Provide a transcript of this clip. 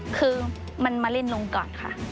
คือมันมาเล่นลงก่อนค่ะ